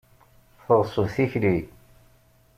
Tɣeṣbeḍ tikli!